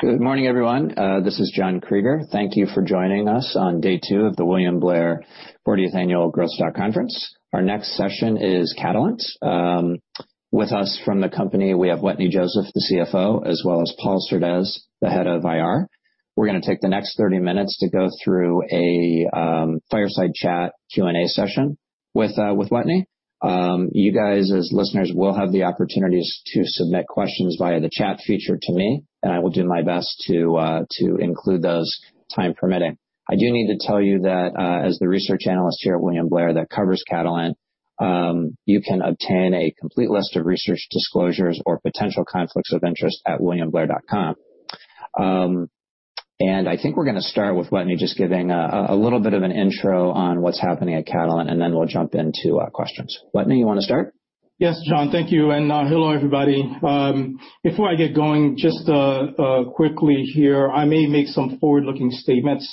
Good morning, everyone. This is John Kreger. Thank you for joining us on day two of the William Blair 40th Annual Growth Stock Conference. Our next session is Catalent. With us from the company, we have Wetteny Joseph, the CFO, as well as Paul Surdez, the head of IR. We're going to take the next 30 minutes to go through a fireside chat Q&A session with Wetteny. You guys, as listeners, will have the opportunities to submit questions via the chat feature to me, and I will do my best to include those time permitting. I do need to tell you that, as the research analyst here at William Blair that covers Catalent, you can obtain a complete list of research disclosures or potential conflicts of interest at williamblair.com. I think we're going to start with Wetteny just giving a little bit of an intro on what's happening at Catalent, and then we'll jump into questions. Wetteny, you want to start? Yes, John, thank you. And hello, everybody. Before I get going, just quickly here, I may make some forward-looking statements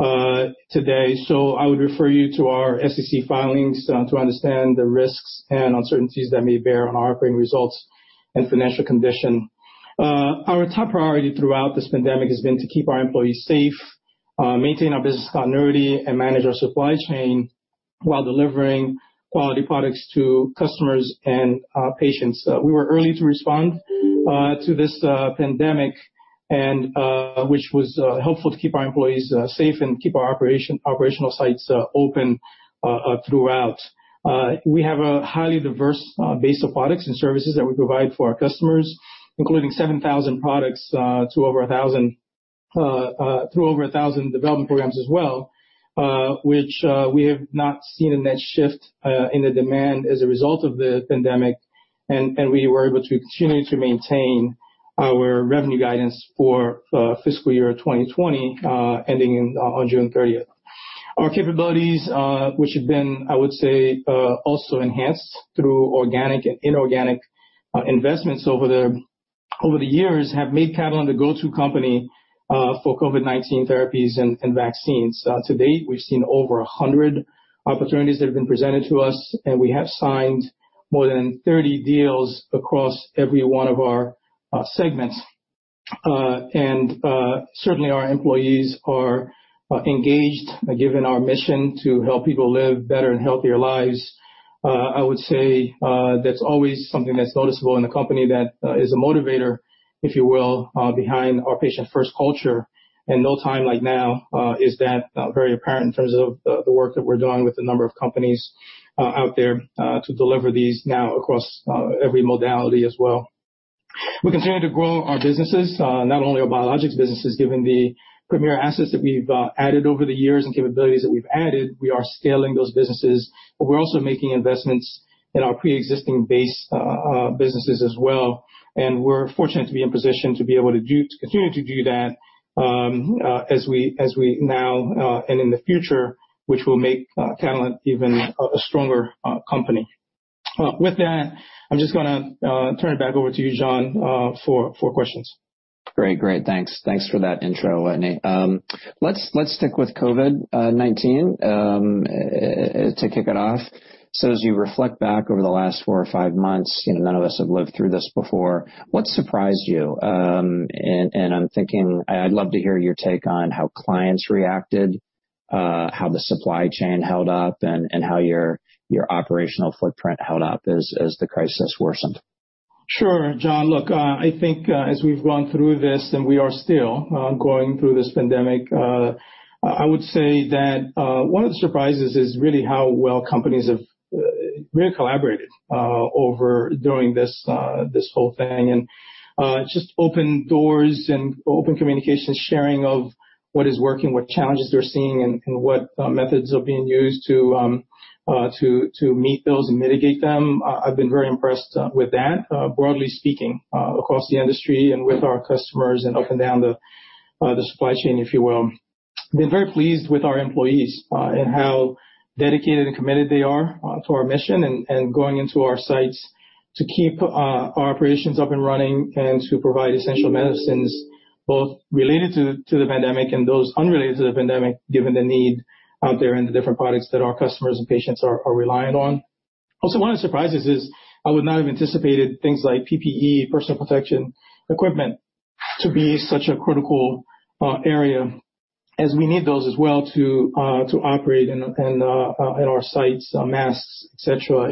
today. So I would refer you to our SEC filings to understand the risks and uncertainties that may bear on our operating results and financial condition. Our top priority throughout this pandemic has been to keep our employees safe, maintain our business continuity, and manage our supply chain while de-levering quality products to customers and patients. We were early to respond to this pandemic, which was helpful to keep our employees safe and keep our operational sites open throughout. We have a highly diverse base of products and services that we provide for our customers, including 7,000 products through over 1,000 development programs as well, which we have not seen a net shift in the demand as a result of the pandemic. We were able to continue to maintain our revenue guidance for fiscal year 2020 ending on June 30. Our capabilities, which have been, I would say, also enhanced through organic and inorganic investments over the years, have made Catalent the go-to company for COVID-19 therapies and vaccines. To date, we've seen over 100 opportunities that have been presented to us, and we have signed more than 30 deals across every one of our segments. Certainly, our employees are engaged, given our mission to help people live better and healthier lives. I would say that's always something that's noticeable in the company that is a motivator, if you will, behind our patient-first culture. No time like now is that very apparent in terms of the work that we're doing with the number of companies out there to deliver these now across every modality as well. We continue to grow our businesses, not only our biologics businesses, given the premier assets that we've added over the years and capabilities that we've added. We are scaling those businesses, but we're also making investments in our pre-existing base businesses as well. And we're fortunate to be in position to be able to continue to do that as we now and in the future, which will make Catalent even a stronger company. With that, I'm just going to turn it back over to you, John, for questions. Great, great. Thanks. Thanks for that intro, Wetteny. Let's stick with COVID-19 to kick it off. So as you reflect back over the last four or five months, none of us have lived through this before. What surprised you? And I'm thinking I'd love to hear your take on how clients reacted, how the supply chain held up, and how your operational footprint held up as the crisis worsened. Sure, John. Look, I think as we've gone through this and we are still going through this pandemic, I would say that one of the surprises is really how well companies have really collaborated during this whole thing and just open doors and open communication, sharing of what is working, what challenges they're seeing, and what methods are being used to meet those and mitigate them. I've been very impressed with that, broadly speaking, across the industry and with our customers and up and down the supply chain, if you will. I've been very pleased with our employees and how dedicated and committed they are to our mission and going into our sites to keep our operations up and running and to provide essential medicines, both related to the pandemic and those unrelated to the pandemic, given the need out there and the different products that our customers and patients are reliant on. Also, one of the surprises is I would not have anticipated things like PPE, personal protective equipment, to be such a critical area, as we need those as well to operate in our sites, masks, et cetera.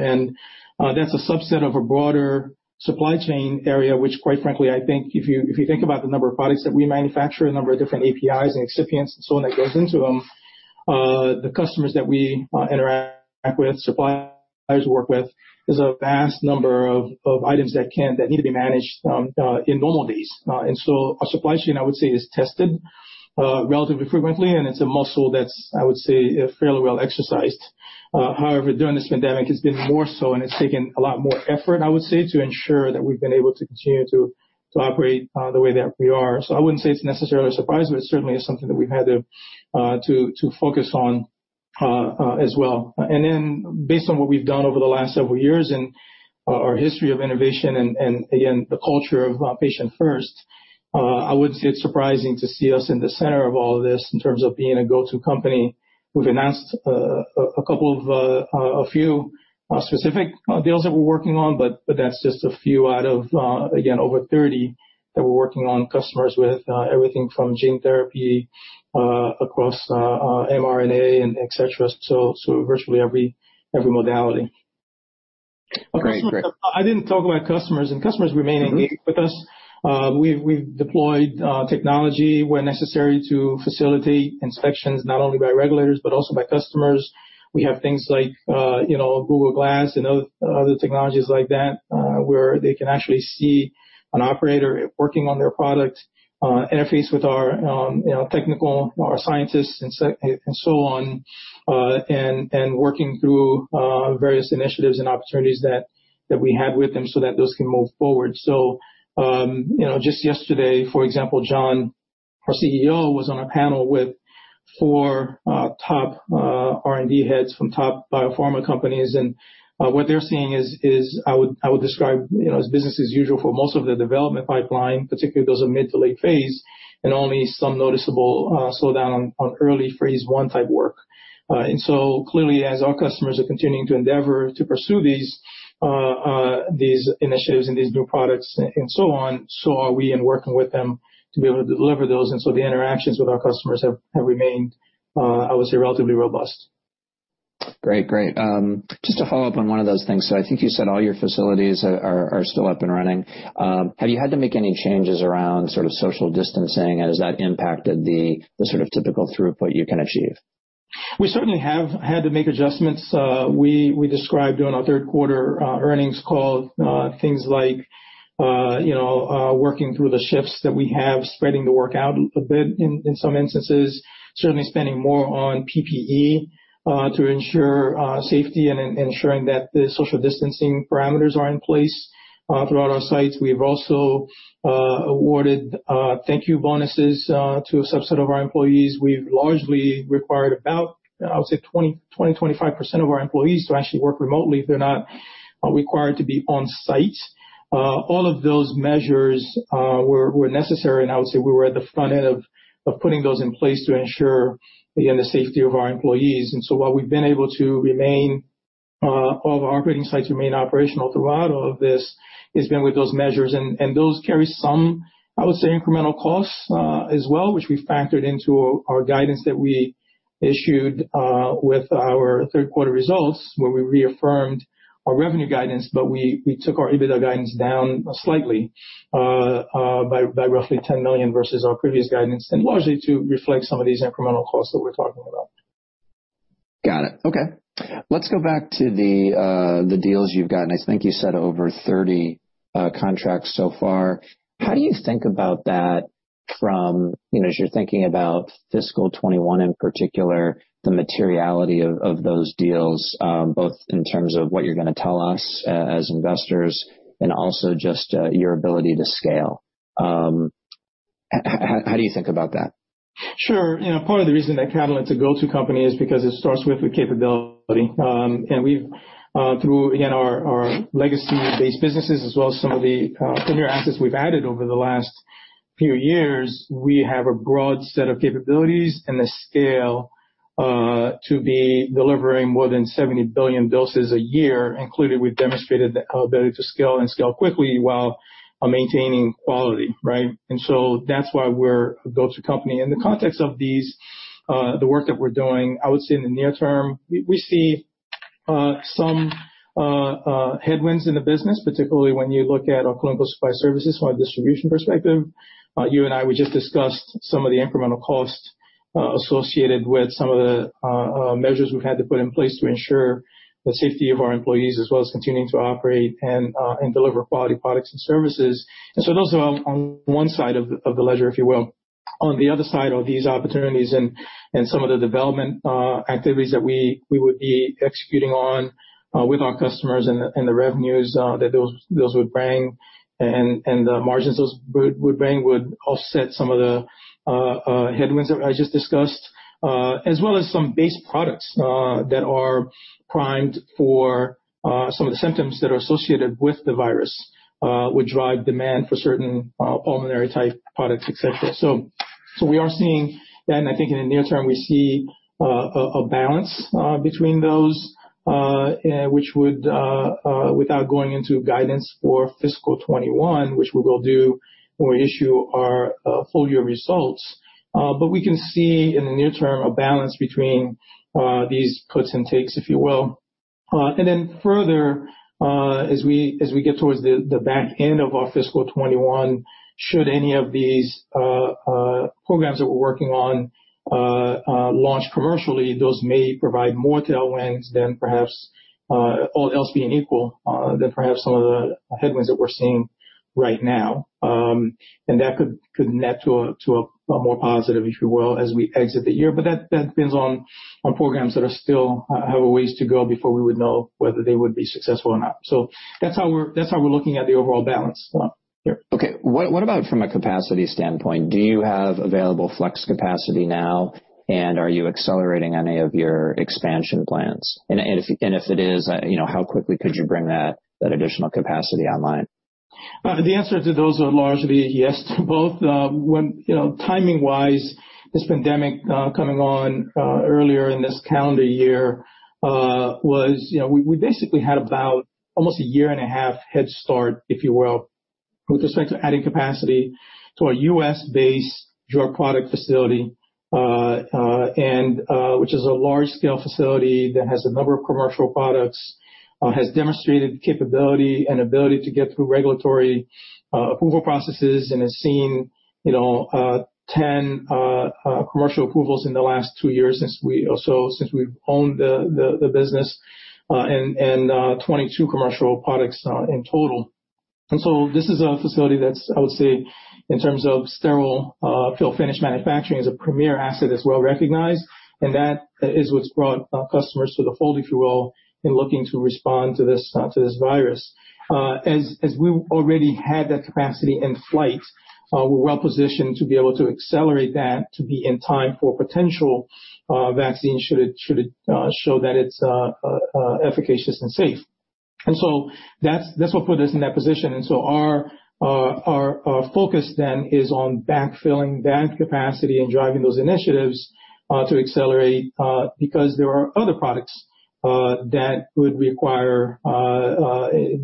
That's a subset of a broader supply chain area, which, quite frankly, I think if you think about the number of products that we manufacture, the number of different APIs and excipients and so on that goes into them, the customers that we interact with, suppliers we work with, there's a vast number of items that need to be managed in normal days. Our supply chain, I would say, is tested relatively frequently, and it's a muscle that's, I would say, fairly well exercised. However, during this pandemic, it's been more so, and it's taken a lot more effort, I would say, to ensure that we've been able to continue to operate the way that we are. I wouldn't say it's necessarily a surprise, but it certainly is something that we've had to focus on as well. Based on what we've done over the last several years and our history of innovation and, again, the culture of patient-first, I wouldn't say it's surprising to see us in the center of all of this in terms of being a go-to company. We've announced a couple of specific deals that we're working on, but that's just a few out of, again, over 30 that we're working on with customers, everything from gene therapy across mRNA, et cetera, so virtually every modality. Great. I didn't talk about customers, and customers remain engaged with us. We've deployed technology where necessary to facilitate inspections not only by regulators, but also by customers. We have things like Google Glass and other technologies like that where they can actually see an operator working on their product, interface with our technical, our scientists, and so on, and working through various initiatives and opportunities that we have with them so that those can move forward. So just yesterday, for example, John, our CEO, was on a panel with four top R&D heads from top biopharma companies, and what they're seeing is, I would describe as business as usual for most of the development pipeline, particularly those in mid to late phase, and only some noticeable slowdown on early phase I type work. And so clearly, as our customers are continuing to endeavor to pursue these initiatives and these new products and so on, so are we in working with them to be able to deliver those. And so the interactions with our customers have remained, I would say, relatively robust. Great, great. Just to follow up on one of those things. So I think you said all your facilities are still up and running. Have you had to make any changes around sort of social distancing, and has that impacted the sort of typical throughput you can achieve? We certainly have had to make adjustments. We described during our third quarter earnings call things like working through the shifts that we have, spreading the work out a bit in some instances, certainly spending more on PPE to ensure safety and ensuring that the social distancing parameters are in place throughout our sites. We've also awarded thank-you bonuses to a subset of our employees. We've largely required about, I would say, 20%-25% of our employees to actually work remotely if they're not required to be on site. All of those measures were necessary, and I would say we were at the front end of putting those in place to ensure, again, the safety of our employees. And so while we've been able to remain all of our operating sites operational throughout all of this, it's been with those measures. And those carry some, I would say, incremental costs as well, which we factored into our guidance that we issued with our third quarter results, where we reaffirmed our revenue guidance, but we took our EBITDA guidance down slightly by roughly $10 million versus our previous guidance, and largely to reflect some of these incremental costs that we're talking about. Got it. Okay. Let's go back to the deals you've gotten. I think you said over 30 contracts so far. How do you think about that from, as you're thinking about fiscal 2021 in particular, the materiality of those deals, both in terms of what you're going to tell us as investors and also just your ability to scale? How do you think about that? Sure. Part of the reason that Catalent is a go-to company is because it starts with the capability, and through, again, our legacy-based businesses, as well as some of the premier assets we've added over the last few years, we have a broad set of capabilities and the scale to be delivering more than 70 billion doses a year, including we've demonstrated the ability to scale and scale quickly while maintaining quality, right, and so that's why we're a go-to company. In the context of the work that we're doing, I would say in the near term, we see some headwinds in the business, particularly when you look at our clinical supply services from a distribution perspective. You and I, we just discussed some of the incremental costs associated with some of the measures we've had to put in place to ensure the safety of our employees, as well as continuing to operate and deliver quality products and services, and so those are on one side of the ledger, if you will. On the other side are these opportunities and some of the development activities that we would be executing on with our customers and the revenues that those would bring and the margins those would bring would offset some of the headwinds that I just discussed. As well as some base products that are primed for some of the symptoms that are associated with the virus, which drive demand for certain pulmonary-type products, et cetera. So we are seeing that, and I think in the near term, we see a balance between those, which would, without going into guidance for fiscal 2021, which we will do when we issue our full-year results. But we can see in the near term a balance between these puts and takes, if you will. And then further, as we get towards the back end of our fiscal 2021, should any of these programs that we're working on launch commercially, those may provide more tailwinds than perhaps, all else being equal, than perhaps some of the headwinds that we're seeing right now. And that could net to a more positive, if you will, as we exit the year. But that depends on programs that still have a ways to go before we would know whether they would be successful or not. So that's how we're looking at the overall balance here. Okay. What about from a capacity standpoint? Do you have available flex capacity now, and are you accelerating any of your expansion plans? And if it is, how quickly could you bring that additional capacity online? The answer to those are largely yes to both. Timing-wise, this pandemic coming on earlier in this calendar year was we basically had about almost a year and a half head start, if you will, with respect to adding capacity to our U.S.-based drug product facility, which is a large-scale facility that has a number of commercial products, has demonstrated capability and ability to get through regulatory approval processes, and has seen 10 commercial approvals in the last two years since we've owned the business and 22 commercial products in total, and so this is a facility that's, I would say, in terms of sterile fill finish manufacturing, is a premier asset that's well recognized, and that is what's brought customers to the fold, if you will, in looking to respond to this virus. As we already had that capacity in flight, we're well positioned to be able to accelerate that to be in time for potential vaccines should it show that it's efficacious and safe, and so that's what put us in that position, and so our focus then is on backfilling that capacity and driving those initiatives to accelerate because there are other products that would require,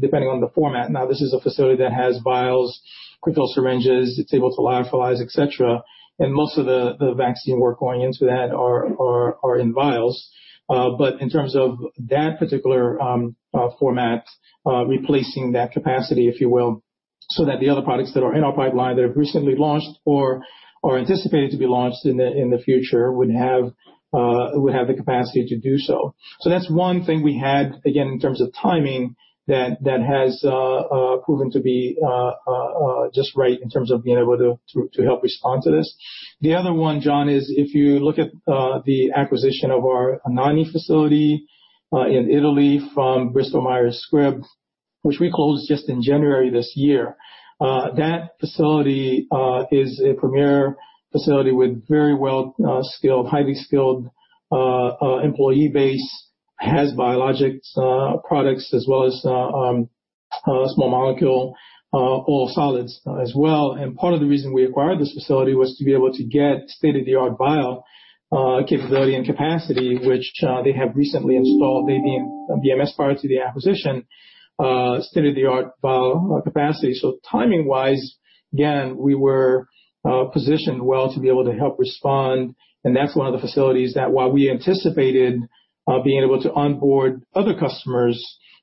depending on the format. Now, this is a facility that has vials, Crystal syringes, it's able to lyophilize, et cetera, and most of the vaccine work going into that are in vials, but in terms of that particular format, replacing that capacity, if you will, so that the other products that are in our pipeline that have recently launched or are anticipated to be launched in the future would have the capacity to do so. That's one thing we had, again, in terms of timing that has proven to be just right in terms of being able to help respond to this. The other one, John, is if you look at the acquisition of our Anagni facility in Italy from Bristol Myers Squibb, which we closed just in January this year. That facility is a premier facility with very well-skilled, highly skilled employee base, has biologics products as well as small molecule or solids as well. And part of the reason we acquired this facility was to be able to get state-of-the-art vial capability and capacity, which they have recently installed BMS prior to the acquisition, state-of-the-art vial capacity. Timing-wise, again, we were positioned well to be able to help respond. And that's one of the facilities that, while we anticipated being able to onboard other customers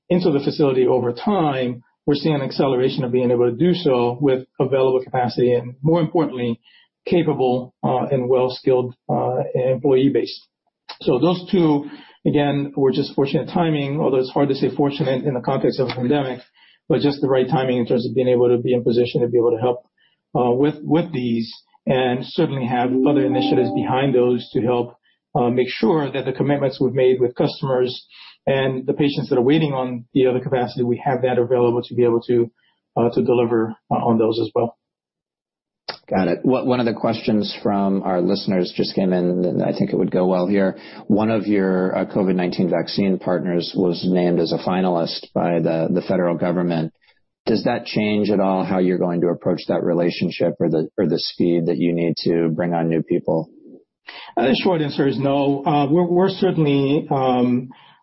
into the facility over time, we're seeing an acceleration of being able to do so with available capacity and, more importantly, capable and well-skilled employee base. So those two, again, were just fortunate timing, although it's hard to say fortunate in the context of a pandemic, but just the right timing in terms of being able to be in position to be able to help with these and certainly have other initiatives behind those to help make sure that the commitments we've made with customers and the patients that are waiting on the other capacity. We have that available to be able to deliver on those as well. Got it. One of the questions from our listeners just came in, and I think it would go well here. One of your COVID-19 vaccine partners was named as a finalist by the federal government. Does that change at all how you're going to approach that relationship or the speed that you need to bring on new people? I think the short answer is no.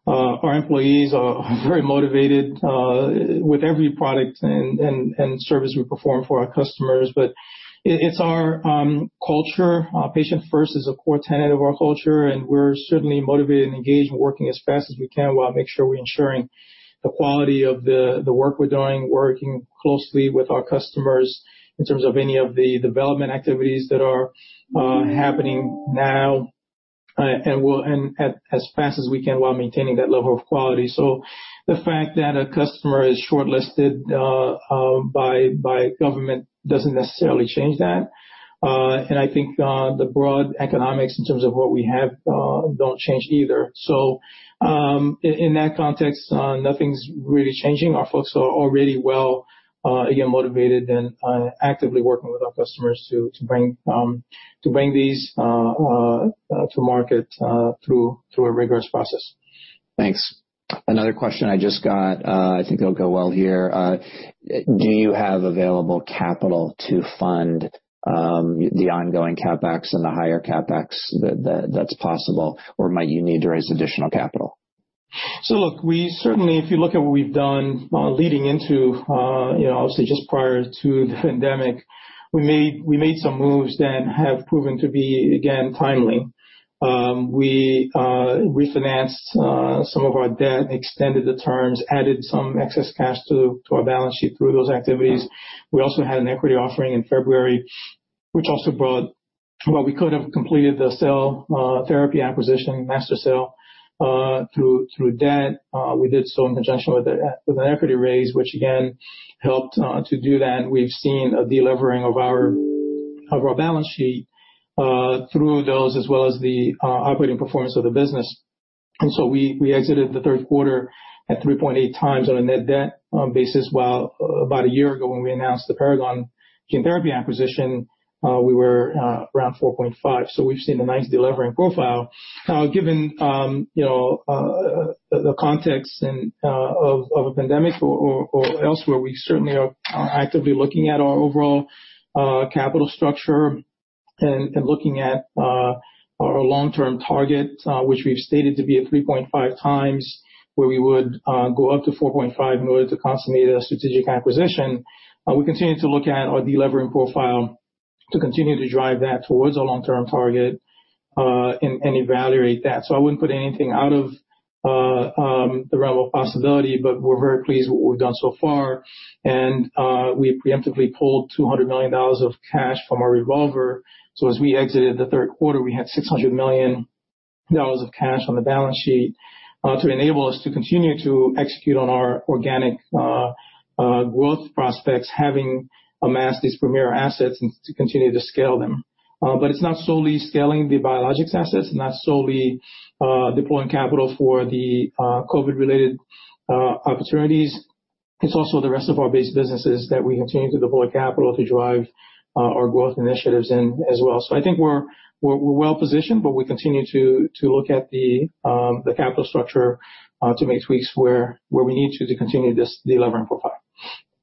Our employees are very motivated with every product and service we perform for our customers. But it's our culture. Patient-first is a core tenet of our culture, and we're certainly motivated and engaged in working as fast as we can while making sure we're ensuring the quality of the work we're doing, working closely with our customers in terms of any of the development activities that are happening now and as fast as we can while maintaining that level of quality. So the fact that a customer is shortlisted by government doesn't necessarily change that. And I think the broad economics in terms of what we have don't change either. So in that context, nothing's really changing. Our folks are already well, again, motivated and actively working with our customers to bring these to market through a rigorous process. Thanks. Another question I just got, I think it'll go well here. Do you have available capital to fund the ongoing CapEx and the higher CapEx that's possible, or might you need to raise additional capital? So look, we certainly, if you look at what we've done leading into, obviously, just prior to the pandemic, we made some moves that have proven to be, again, timely. We refinanced some of our debt, extended the terms, added some excess cash to our balance sheet through those activities. We also had an equity offering in February, which also brought, well, we could have completed the cell therapy acquisition, MaSTherCell through debt. We did so in conjunction with an equity raise, which, again, helped to do that. And we've seen a delivering of our balance sheet through those, as well as the operating performance of the business. And so we exited the third quarter at 3.8x on a net debt basis, while about a year ago when we announced the Paragon Gene Therapy acquisition, we were around 4.5x. So we've seen a nice de-levering profile. Now, given the context of a pandemic or elsewhere, we certainly are actively looking at our overall capital structure and looking at our long-term target, which we've stated to be at 3.5x, where we would go up to 4.5x in order to consummate a strategic acquisition. We continue to look at our de-levering profile to continue to drive that towards a long-term target and evaluate that. So I wouldn't put anything out of the realm of possibility, but we're very pleased with what we've done so far. And we preemptively pulled $200 million of cash from our revolver. So as we exited the third quarter, we had $600 million of cash on the balance sheet to enable us to continue to execute on our organic growth prospects, having amassed these premier assets and to continue to scale them. but it's not solely scaling the biologics assets, not solely deploying capital for the COVID-related opportunities. It's also the rest of our base businesses that we continue to deploy capital to drive our growth initiatives in as well. so I think we're well positioned, but we continue to look at the capital structure to make tweaks where we need to continue this delivery profile.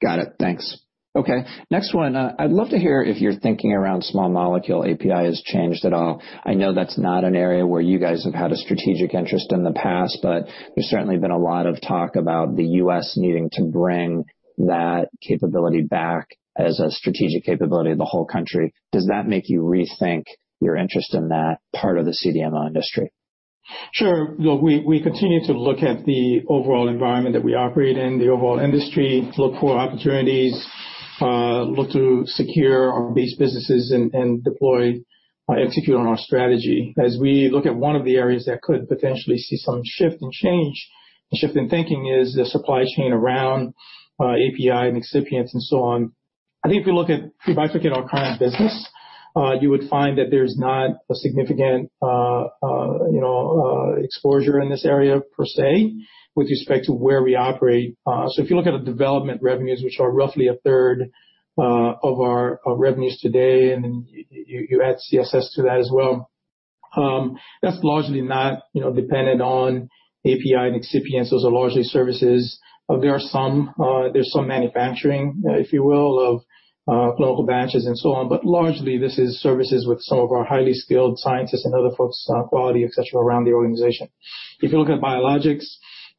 Got it. Thanks. Okay. Next one. I'd love to hear if you're thinking around small molecule API has changed at all. I know that's not an area where you guys have had a strategic interest in the past, but there's certainly been a lot of talk about the U.S. needing to bring that capability back as a strategic capability of the whole country. Does that make you rethink your interest in that part of the CDMO industry? Sure. We continue to look at the overall environment that we operate in, the overall industry, look for opportunities, look to secure our base businesses and deploy, execute on our strategy. As we look at one of the areas that could potentially see some shift and change, shift in thinking is the supply chain around API and excipients and so on. I think if we look at, if I look at our current business, you would find that there's not a significant exposure in this area per se with respect to where we operate. So if you look at our development revenues, which are roughly a third of our revenues today, and then you add CSS to that as well, that's largely not dependent on API and excipients. Those are largely services. There's some manufacturing, if you will, of clinical batches and so on. Largely, this is services with some of our highly skilled scientists and other folks, quality, et cetera, around the organization. If you look at biologics,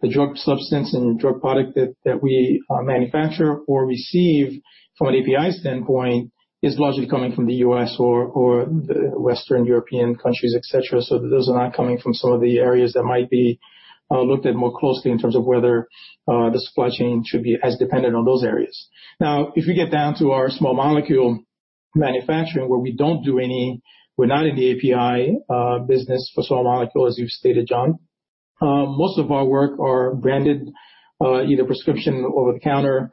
the drug substance and drug product that we manufacture or receive from an API standpoint is largely coming from the U.S. or the Western European countries, et cetera. So those are not coming from some of the areas that might be looked at more closely in terms of whether the supply chain should be as dependent on those areas. Now, if we get down to our small molecule manufacturing, where we don't do any, we're not in the API business for small molecule, as you've stated, John, most of our work are branded either prescription or over-the-counter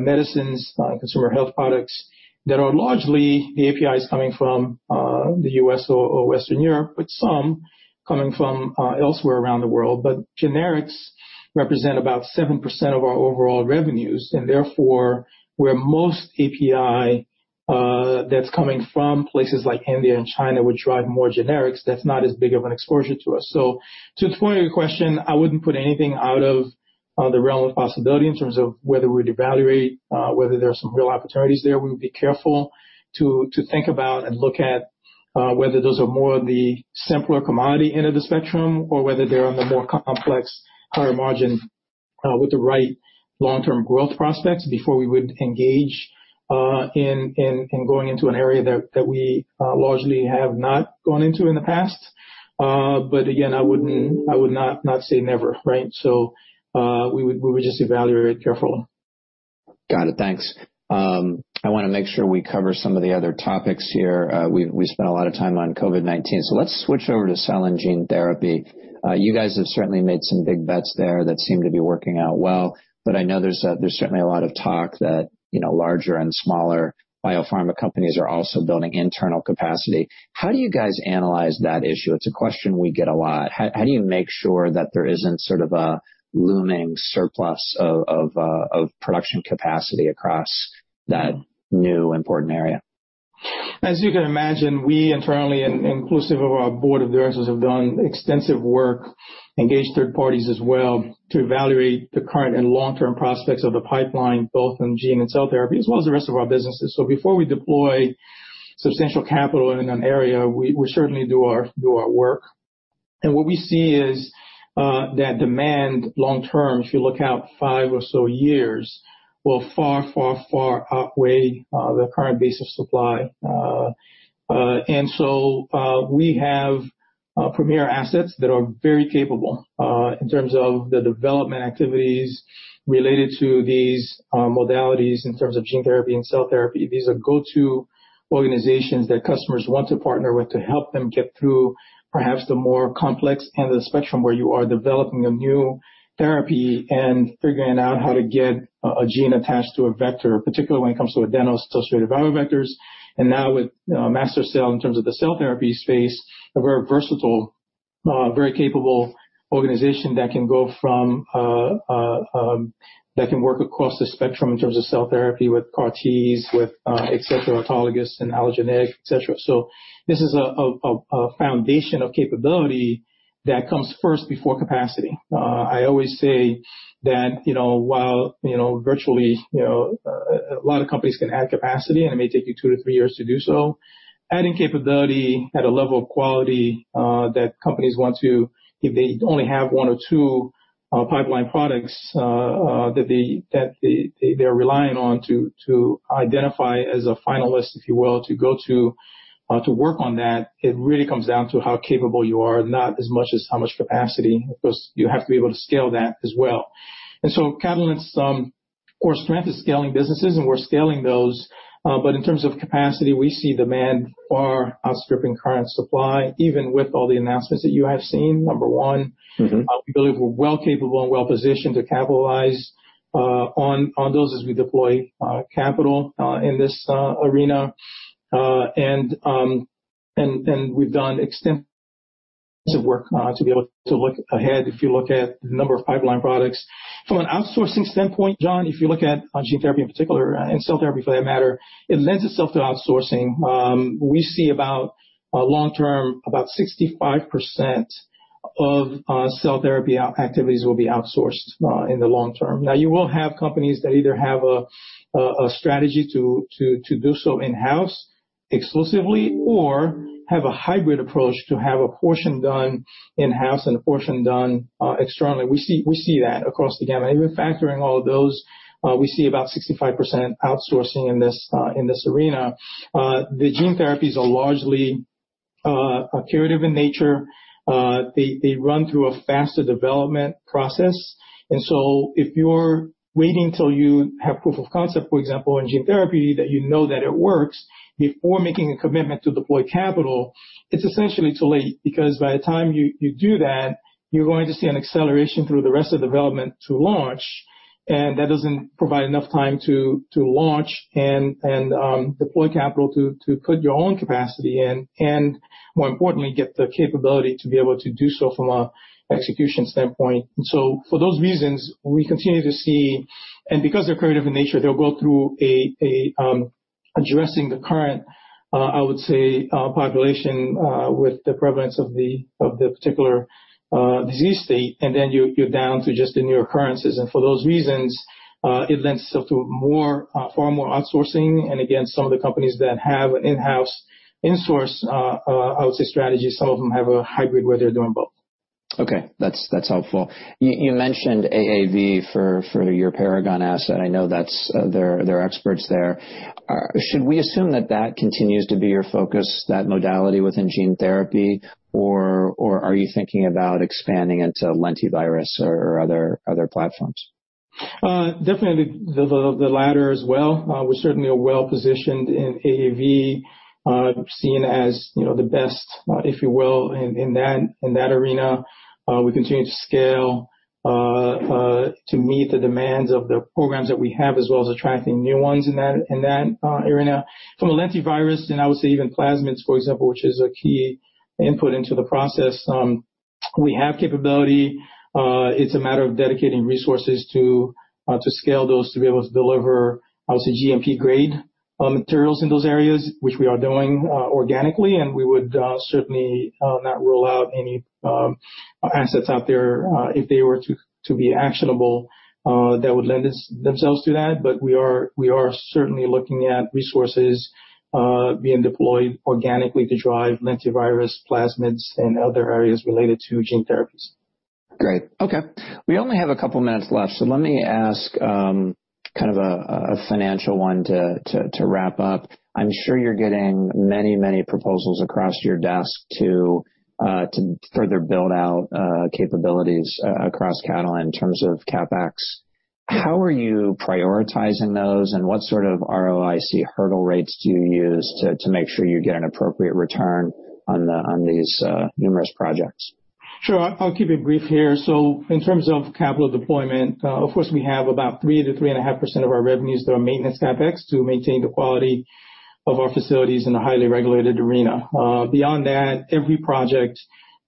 medicines, consumer health products that are largely the API is coming from the U.S. or Western Europe, but some coming from elsewhere around the world. Generics represent about 7% of our overall revenues. Therefore, where most API that's coming from places like India and China would drive more generics, that's not as big of an exposure to us. To the point of your question, I wouldn't put anything out of the realm of possibility in terms of whether we would evaluate whether there are some real opportunities there. We would be careful to think about and look at whether those are more of the simpler commodity end of the spectrum or whether they're on the more complex, higher margin with the right long-term growth prospects before we would engage in going into an area that we largely have not gone into in the past. Again, I would not say never, right? We would just evaluate carefully. Got it. Thanks. I want to make sure we cover some of the other topics here. We spent a lot of time on COVID-19. So let's switch over to cell and gene therapy. You guys have certainly made some big bets there that seem to be working out well. But I know there's certainly a lot of talk that larger and smaller biopharma companies are also building internal capacity. How do you guys analyze that issue? It's a question we get a lot. How do you make sure that there isn't sort of a looming surplus of production capacity across that new important area? As you can imagine, we internally, inclusive of our board of directors, have done extensive work, engaged third parties as well to evaluate the current and long-term prospects of the pipeline, both in gene and cell therapy, as well as the rest of our businesses. So before we deploy substantial capital in an area, we certainly do our work. And what we see is that demand long-term, if you look out five or so years, will far, far, far outweigh the current base of supply. And so we have premier assets that are very capable in terms of the development activities related to these modalities in terms of gene therapy and cell therapy. These are go-to organizations that customers want to partner with to help them get through perhaps the more complex end of the spectrum where you are developing a new therapy and figuring out how to get a gene attached to a vector, particularly when it comes to adeno-associated viral vectors. And now with MaSTherCell in terms of the cell therapy space, a very versatile, very capable organization that can go from, that can work across the spectrum in terms of cell therapy with CAR-Ts, with, et cetera, autologous and allogeneic, et cetera. So this is a foundation of capability that comes first before capacity. I always say that while virtually a lot of companies can add capacity and it may take you two to three years to do so, adding capability at a level of quality that companies want to, if they only have one or two pipeline products that they are relying on to identify as a finalist, if you will, to go to work on that, it really comes down to how capable you are, not as much as how much capacity, because you have to be able to scale that as well. And so Catalent's core strength is scaling businesses, and we're scaling those. But in terms of capacity, we see demand far outstripping current supply, even with all the announcements that you have seen, number one. We believe we're well capable and well positioned to capitalize on those as we deploy capital in this arena. We've done extensive work to be able to look ahead. If you look at the number of pipeline products from an outsourcing standpoint, John, if you look at gene therapy in particular and cell therapy for that matter, it lends itself to outsourcing. We see about long-term, about 65% of cell therapy activities will be outsourced in the long term. Now, you will have companies that either have a strategy to do so in-house exclusively or have a hybrid approach to have a portion done in-house and a portion done externally. We see that across the gamut. Even factoring all of those, we see about 65% outsourcing in this arena. The gene therapies are largely curative in nature. They run through a faster development process. And so if you're waiting till you have proof of concept, for example, in gene therapy that you know that it works, before making a commitment to deploy capital, it's essentially too late, because by the time you do that, you're going to see an acceleration through the rest of the development to launch. And that doesn't provide enough time to launch and deploy capital to put your own capacity in and, more importantly, get the capability to be able to do so from an execution standpoint. And so for those reasons, we continue to see, and because they're curative in nature, they'll go through addressing the current, I would say, population with the prevalence of the particular disease state. And then you're down to just the new occurrences. And for those reasons, it lends itself to far more outsourcing. Again, some of the companies that have an in-house, in-source, I would say, strategy, some of them have a hybrid where they're doing both. Okay. That's helpful. You mentioned AAV for your Paragon asset. I know that's their experts there. Should we assume that that continues to be your focus, that modality within gene therapy, or are you thinking about expanding into lentivirus or other platforms? Definitely the latter as well. We're certainly well positioned in AAV, seen as the best, if you will, in that arena. We continue to scale to meet the demands of the programs that we have, as well as attracting new ones in that arena. From a lentivirus, and I would say even plasmids, for example, which is a key input into the process, we have capability. It's a matter of dedicating resources to scale those to be able to deliver, I would say, GMP-grade materials in those areas, which we are doing organically. And we would certainly not rule out any assets out there if they were to be actionable that would lend themselves to that. But we are certainly looking at resources being deployed organically to drive lentivirus, plasmids, and other areas related to gene therapies. Great. Okay. We only have a couple of minutes left. So let me ask kind of a financial one to wrap up. I'm sure you're getting many, many proposals across your desk to further build out capabilities across Catalent in terms of CapEx. How are you prioritizing those, and what sort of ROIC hurdle rates do you use to make sure you get an appropriate return on these numerous projects? Sure. I'll keep it brief here. So in terms of capital deployment, of course, we have about 3%-3.5% of our revenues that are maintenance CapEx to maintain the quality of our facilities in a highly regulated arena. Beyond that, every project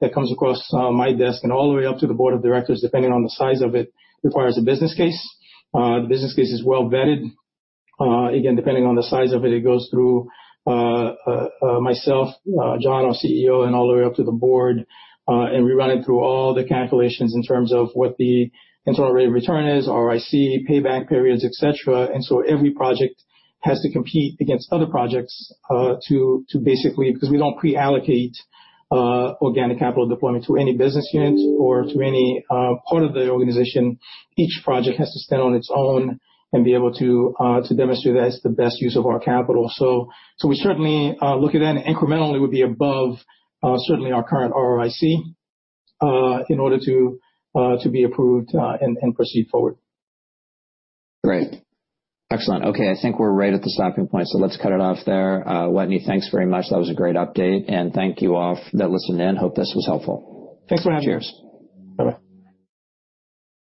that comes across my desk and all the way up to the board of directors, depending on the size of it, requires a business case. The business case is well vetted. Again, depending on the size of it, it goes through myself, John, our CEO, and all the way up to the board. And we run it through all the calculations in terms of what the internal rate of return is, ROIC, payback periods, et cetera. And so every project has to compete against other projects to basically, because we don't pre-allocate organic capital deployment to any business unit or to any part of the organization, each project has to stand on its own and be able to demonstrate that it's the best use of our capital. So we certainly look at that, and incrementally would be above certainly our current ROIC in order to be approved and proceed forward. Great. Excellent. Okay. I think we're right at the stopping point. So let's cut it off there. Wetteny, thanks very much. That was a great update. And thank you all that listened in. Hope this was helpful. Thanks for having me. Cheers. Bye-bye.